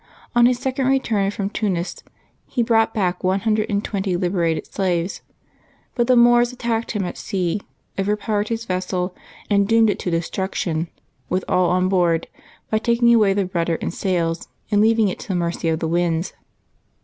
On his second return from Tunis he brought back one hundred and twenty lib erated slaves. But the Moors attacked him at sea, over powered his vessel, and doomed it to destruction, with all on board, by taking away the rudder and sails, and leaving it to the mercy of the winds.